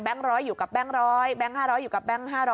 แบงค์๑๐๐อยู่กับแบงค์๑๐๐แบงค์๕๐๐อยู่กับแบงค์๕๐๐